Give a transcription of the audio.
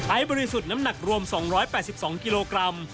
บริสุทธิ์น้ำหนักรวม๒๘๒กิโลกรัม